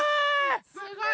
すごい。